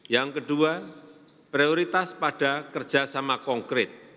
yang kedua prioritas pada kerjasama konkret